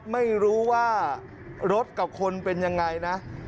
ไม่รู้ว่ารถกับคนเป็นยังไงนะ